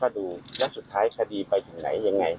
ดูแล้วสุดท้ายคดีไปถึงไหนยังไง